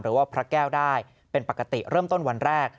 หรือว่าพระแก้วได้เป็นปกติเริ่มต้นวันแรก